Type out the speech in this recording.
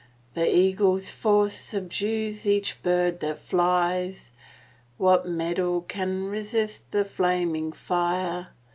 The eagle's force subdues each bird that flies — What metal can resist the flaming fire?